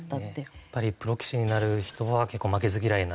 やっぱりプロ棋士になる人は結構負けず嫌いな人が多くて。